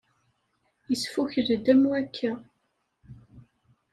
Yesfukel-d am wakka.